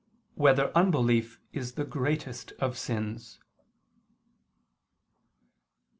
3] Whether Unbelief Is the Greatest of Sins?